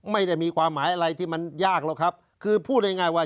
ไม่ได้มีความหมายอะไรที่มันยากหรอกครับคือพูดง่ายว่า